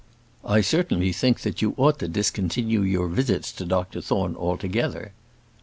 "I certainly think that you ought to discontinue your visits to Dr Thorne altogether."